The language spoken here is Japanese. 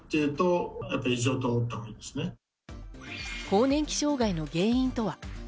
更年期障害の原因とは？